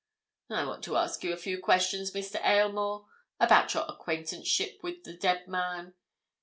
"I want to ask you a few questions, Mr. Aylmore, about your acquaintanceship with the dead man.